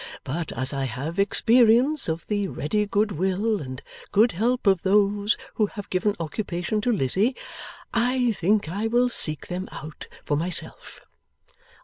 But as I have experience of the ready goodwill and good help of those who have given occupation to Lizzie, I think I will seek them out for myself.